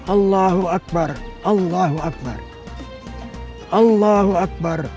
allahu akbar allahu akbar allahu akbar